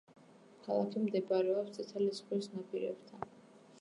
ქალაქი მდებარეობს წითელი ზღვის ნაპირებთან.